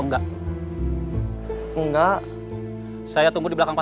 sesetengah yang tadi youalev dulu ya kalian migis kan